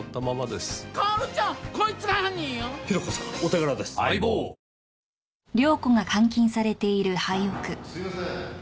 すいません。